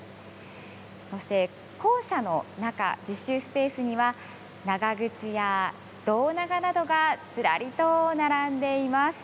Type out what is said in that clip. そして校舎の中実習スペースには長靴や胴長などがずらりと並んでいます。